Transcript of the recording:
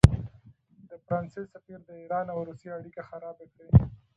د فرانسې سفیر د ایران او روسیې اړیکې خرابې کړې.